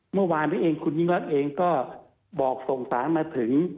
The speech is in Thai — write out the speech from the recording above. เมื่อวานนี้เองคุณยิ่งรักเองก็บอกส่งสารมาถึง